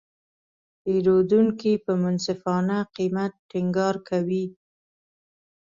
پیرودونکي په منصفانه قیمت ټینګار کوي.